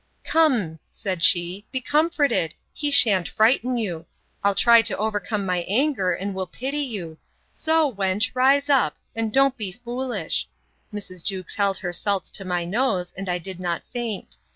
Come, said she, be comforted; he shan't frighten you!—I'll try to overcome my anger, and will pity you. So, wench, rise up, and don't be foolish. Mrs. Jewkes held her salts to my nose, and I did not faint.